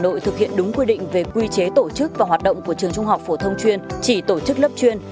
hà nội thực hiện đúng quy định về quy chế tổ chức và hoạt động của trường trung học phổ thông chuyên chỉ tổ chức lớp chuyên